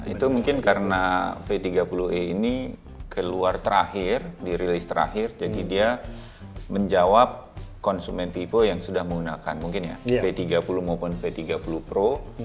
itu mungkin karena v tiga puluh e ini keluar terakhir dirilis terakhir jadi dia menjawab konsumen vivo yang sudah menggunakan mungkin ya b tiga puluh maupun v tiga puluh pro